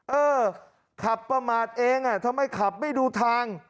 เออขับประมาทเองทำไมขับไม่ดูทาง